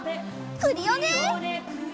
クリオネ！